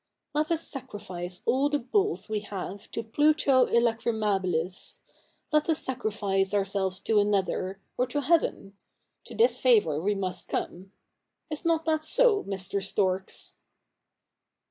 Let us sacrifice all the bulls we have to Pluto il/acrifnabilis — let us sacrifice ourselves to one another, or to Heaven — to this favour must we come. Is not that so, Mr. Storks